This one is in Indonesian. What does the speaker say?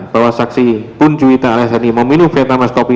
bahwa saksi buncuida aliasani meminum vietnam ais kopi